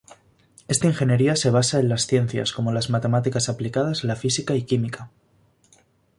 Esta ingeniería se basa en ciencias como las matemáticas aplicadas la física y química.